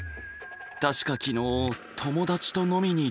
確か昨日友達と飲みに行って。